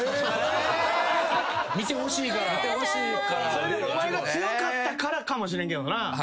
それでもお前が強かったからかもしれんけどな。